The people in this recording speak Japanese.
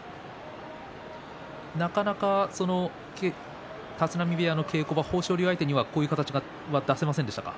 なかなか立浪部屋の稽古場豊昇龍相手にはこういう形を出せませんでしたか？